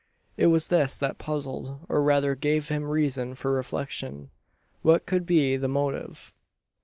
It was this that puzzled, or rather gave him reason for reflection. What could be the motive?